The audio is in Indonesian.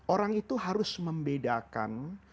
orang itu harus membedakan